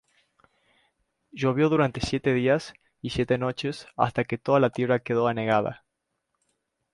Llovió durante siete días y siete noches hasta que toda la tierra quedó anegada.